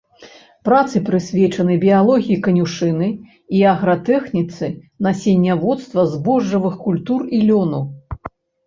Працы прысвечаны біялогіі канюшыны і агратэхніцы насенняводства збожжавых культур і лёну.